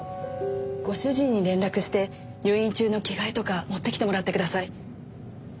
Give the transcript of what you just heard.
ご主人に連絡して入院中の着替えとか持ってきてもらってください。